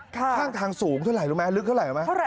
ข้างทางสูงเท่าไหร่รู้ไหมลึกเท่าไหร่ไหม